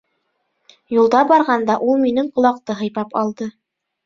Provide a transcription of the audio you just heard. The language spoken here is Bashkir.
Юлда барғанда ул минең ҡолаҡты һыйпап алды: